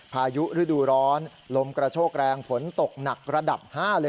พายุฤดูร้อนลมกระโชกแรงฝนตกหนักระดับ๕เลย